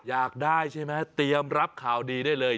อยากได้ใช่ไหมเตรียมรับข่าวดีได้เลย